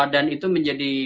dan itu menjadi